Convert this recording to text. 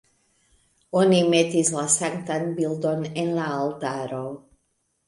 Oni metis la sanktan bildon al la altaro.